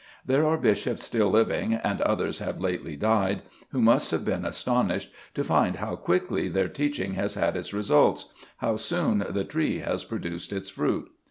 There are bishops still living, and others have lately died, who must have been astonished to find how quickly their teaching has had its results, how soon the tree has produced its fruit.